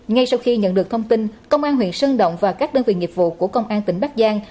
ngay sau khi nhận được thông tin công an huyện sơn động và các đơn vị nghiệp vụ của công an tỉnh bắc giang